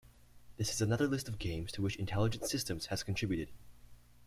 This is another list of games to which Intelligent Systems has contributed.